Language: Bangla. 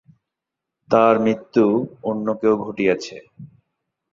তার মৃত্যু অন্য কেউ ঘটিয়েছে।